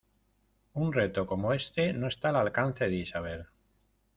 ¡Un reto como éste no está al alcance de Isabel!